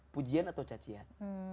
pujian atau cacian